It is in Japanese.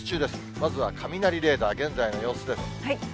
まずは雷レーダー、現在の様子です。